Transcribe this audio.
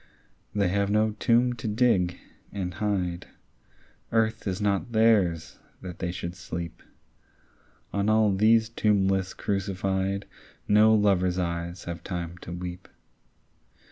They have no tomb to dig, and hide; Earth is not theirs, that they should sleep. On all these tombless crucified No lovers' eyes have time to weep.